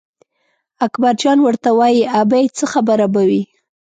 اکبرجان ورته وایي ابۍ څه خبره به وي.